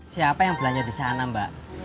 siapa yang belanja di sana mbak